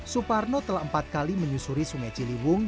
suparno telah empat kali menyusuri sungai ciliwung